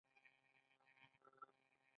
د شونډو لپاره ریښتیا او د سترګو لپاره همدردي ده.